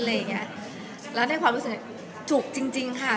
แล้วในความรู้สึกจุกจริงจริงค่ะ